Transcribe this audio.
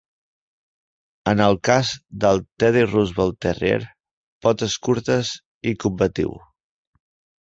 En el cas del Teddy Roosevelt Terrier, "potes curtes i combatiu".